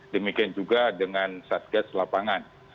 demikian juga dengan satgas lapangan